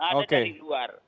ada dari luar